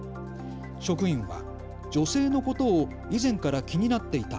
職員は女性のことを以前から気になっていた。